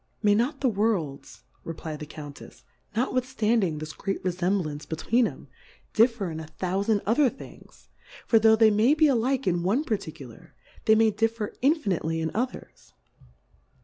May not the Worlds, reply d the Cotintefs^ notwithftanding this great Refemblance between 'em, differ in a thoufand other Things ; for tho' they may be alil^e in one Particu lar, they may differ infinitely in Others.